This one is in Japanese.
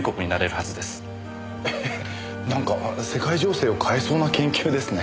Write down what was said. えっなんか世界情勢を変えそうな研究ですね。